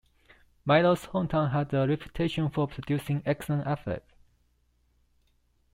Milo's hometown had a reputation for producing excellent athletes.